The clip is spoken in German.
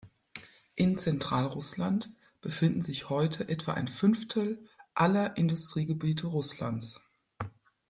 In Zentralrussland befinden sich heute etwa ein fünftel aller Industriegebiete Russlands.